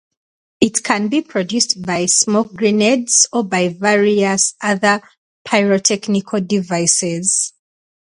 It can be produced by smoke grenades, or by various other pyrotechnical devices.